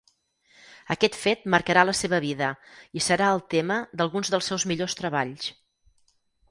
Aquest fet marcarà la seva vida i serà el tema d'alguns dels seus millors treballs.